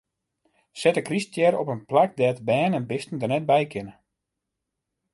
Set de kryststjer op in plak dêr't bern en bisten der net by kinne.